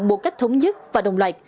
một cách thống nhất và đồng loại